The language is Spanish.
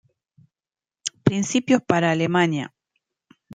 Principios para Alemania".